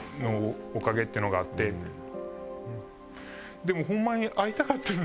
でもホンマに。